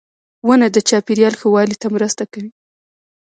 • ونه د چاپېریال ښه والي ته مرسته کوي.